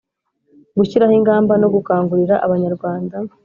Gushyiraho ingamba no gukangurira abanyarwanda